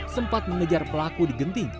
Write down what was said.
sempat mengejar pelaku di genting